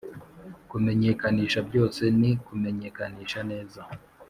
kumenyekanisha byose ni kumenyekanisha neza